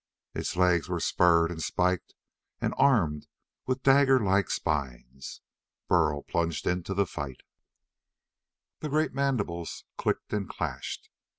Its legs were spurred and spiked and armed with dagger like spines. Burl plunged into the fight. The great mandibles clicked and clashed.